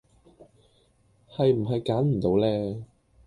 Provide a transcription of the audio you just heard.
係唔係揀唔到呢